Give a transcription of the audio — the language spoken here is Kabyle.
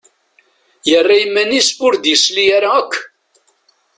Yerra iman-is ur d-yesli ara akk.